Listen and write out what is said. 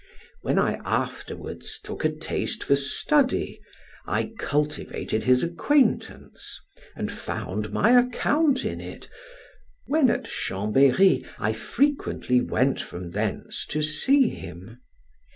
When I afterwards took a taste for study, I cultivated his acquaintance, and found my account in it: when at Chambery, I frequently went from thence to see him.